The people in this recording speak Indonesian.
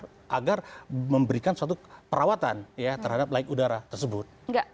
yang memberikan suatu perawatan ya terhadap laik udara tersebut